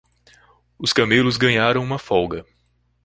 Os camelos ganharam uma folga.